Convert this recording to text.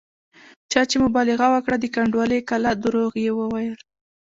چا چې مبالغه وکړه د کنډوالې کلا درواغ یې وویل.